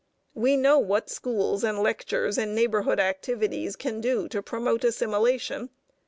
We know what schools and lectures and neighborhood activities can do to promote assimilation.